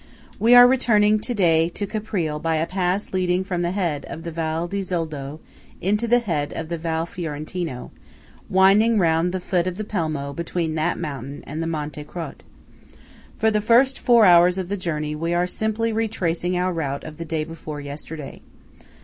We are returning to day to Caprile by a pass leading from the head of the Val di Zoldo into the head of the Val Fiorentino, winding round the foot of the Pelmo between that mountain and the Monte Crot. For the first four hours of the journey, we are simply retracing our route of the day before yesterday.